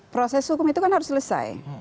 proses hukum itu kan harus selesai